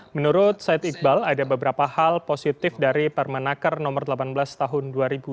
menurut said iqbal ada beberapa hal positif dari permenaker no delapan belas tahun dua ribu dua puluh